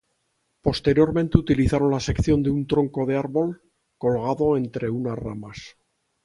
Posteriormente utilizaron la sección de un tronco de árbol colgado entre unas ramas.